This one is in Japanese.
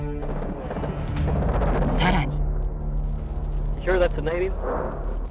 更に。